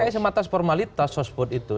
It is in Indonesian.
kayak semata formalitas sosbud itu